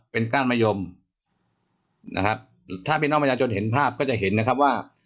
เป็นก้านมะยมนะครับถ้าพี่น้องประชาชนเห็นภาพก็จะเห็นนะครับว่า